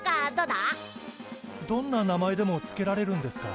どんな名前でも付けられるんですか？